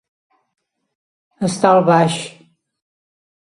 Estar al baix.